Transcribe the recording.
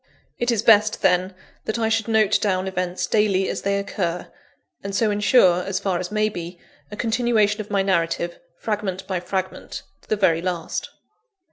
It is best, then, that I should note down events daily as they occur; and so ensure, as far as may be, a continuation of my narrative, fragment by fragment, to the very last.